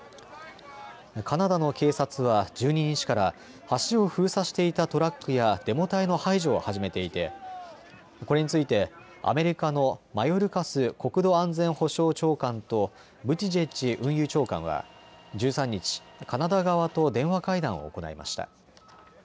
カナダの警察は１２日から橋を封鎖していたトラックやデモ隊の排除を始めていてこれについてアメリカのマヨルカス国土安全保障長官とブティジェッジ運輸長官は１３日、カナダ側と電話会談を行いました。